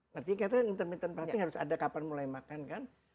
ngerti katanya intermittent fasting harus ada kapan mulai makan kan